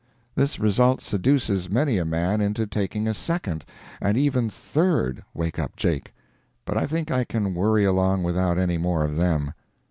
This result seduces many a man into taking a second, and even a third "wake up Jake," but I think I can worry along without any more of them.